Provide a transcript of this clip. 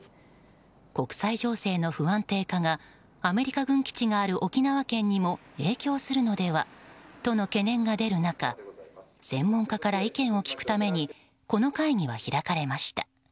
国際情勢の不安定化がアメリカ軍基地がある沖縄県にも影響するのではとの懸念が出る中専門家から意見を聞くためにこの会議は開かれました。